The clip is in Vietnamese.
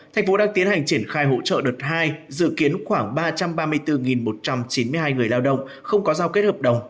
thành phố đang tiến hành triển khai hỗ trợ đợt hai dự kiến khoảng ba trăm ba mươi bốn một trăm chín mươi hai người lao động không có giao kết hợp đồng